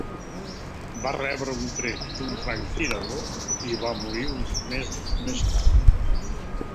Va rebre un tret d'un franctirador i va morir uns mesos més tard.